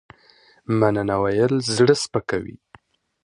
مننه ويل زړه سپکوي